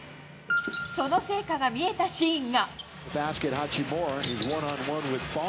その成果が見えたシーンが。